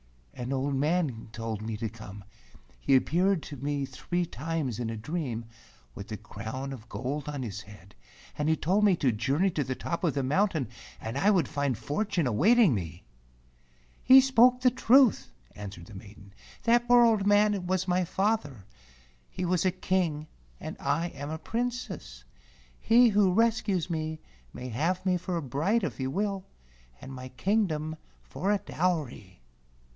"An old man told me to come. He appeared to me three times in a dream, with a crown of gold on his head, and he told me to journey to the top of the mountain and I would find fortune awaiting me." "He spoke truth," answered the maiden. "That old man was my father; he was a King and I am a Princess. He who rescues me may 182 A TRANSYLVANIAN GIPSY TALE have me for a bride if he will, and my Kingdom for a dowry."